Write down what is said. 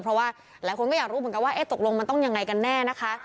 เพราะว่าหลายคนก็อยากรู้เหมือนกันว่าตกลงมันต้องยังไงกันแน่นะคะ